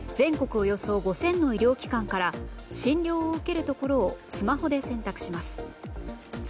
およそ５０００の医療機関から診療を受けるところをスマホで選択します。